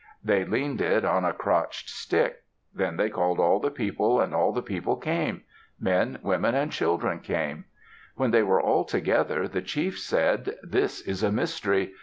They leaned it on a crotched stick. Then they called all the people and all the people came. Men, women, and children came. When they were all together, the chiefs said, "This is a mystery.